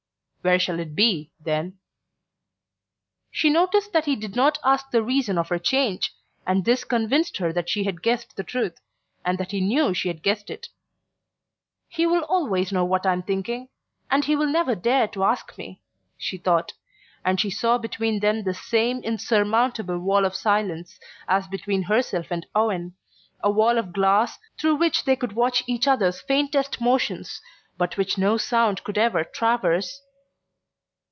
"Where shall it be, then?" She noticed that he did not ask the reason of her change, and this convinced her that she had guessed the truth, and that he knew she had guessed it. "He will always know what I am thinking, and he will never dare to ask me," she thought; and she saw between them the same insurmountable wall of silence as between herself and Owen, a wall of glass through which they could watch each other's faintest motions but which no sound could ever traverse...